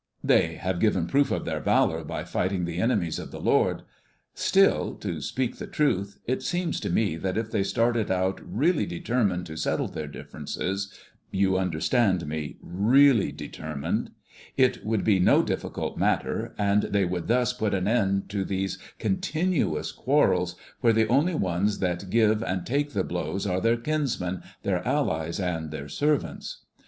They have given proof of their valor by fighting the enemies of the Lord. Still, to speak the truth, it seems to me that if they started out really determined to settle their differences, you understand me, really determined, it would be no difficult matter, and they would thus put an end to these continuous quarrels where the only ones that give and take the blows are their kinsmen, their allies, and their servants.